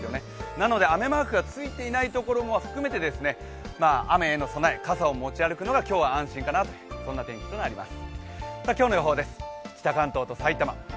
なので雨マークがついていないところも含めて、雨への備え傘を持ち歩くのが今日は安心かなという天気になっています。